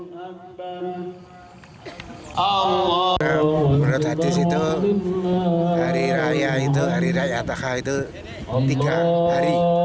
menurut hadis itu hari raya itu hari raya apakah itu tiga hari